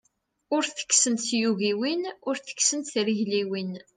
Ur tekksent tyugiwin, ur tekksent trigliwin.